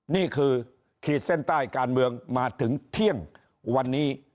นี่คือขีดเส้นใต้การเมืองมาถึงเที่ยงวันนี้